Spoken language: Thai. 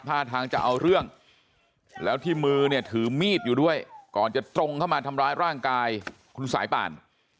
ท่าทางจะเอาเรื่องแล้วที่มือเนี่ยถือมีดอยู่ด้วยก่อนจะตรงเข้ามาทำร้ายร่างกายคุณสายป่าน